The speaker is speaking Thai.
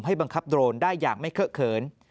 บังคับโดรนได้อย่างไม่เคอะเขิน